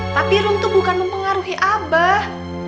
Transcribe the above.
tapi rum tuh bukan mempengaruhi abah